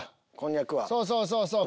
そうそうそうそう！